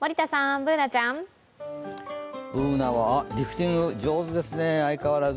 Ｂｏｏｎａちゃんはリフティング上手ですね、相変わらず。